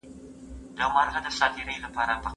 هغه څوک چي پاکوالي ساتي منظم وي؟!